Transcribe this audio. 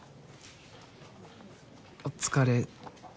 お疲れ。